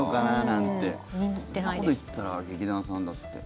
そんなこといってたら劇団さんだって。